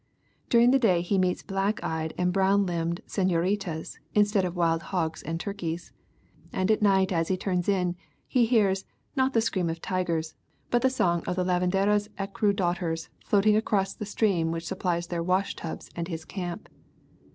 During the day he meets black eyed and brown limbed senoritas, instead of wild hogs and turkeys, and at night as he turns in, he hears, not the scream of tigers, but the songs of the lavandera^s ecru daughters floating across the stream which supplies their wash tubs and his camp.